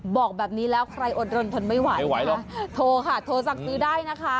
บอกแบบนี้แล้วใครอดรนทนไม่ไหวไม่ไหวโทรค่ะโทรสั่งซื้อได้นะคะ